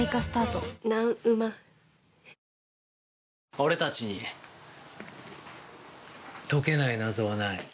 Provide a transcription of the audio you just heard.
俺たちに解けない謎はない。